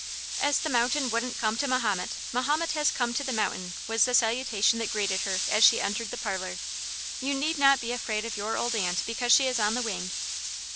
"As the mountain wouldn't come to Mahomet, Mahomet has had to come to the mountain," was the salutation that greeted her as she entered the parlour, " You need not be afraid of your old aunt because she is on the wing."